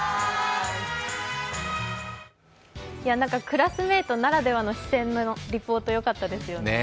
クラスメートならではの目線のリポートよかったですね。